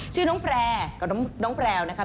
ชื่อน้องแพร่กับน้องแพรวนะครับ